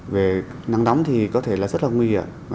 về nắng nóng thì có thể là rất là nguy hiểm